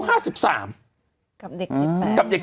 กับเด็ก๑๘กับเด็ก